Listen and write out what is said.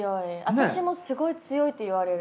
私もすごい強いって言われる。